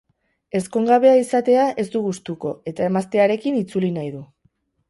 Ezkongabea izatea ez du gustuko eta emaztearekin itzuli nahi du.